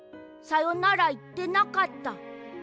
さよならいってなかった。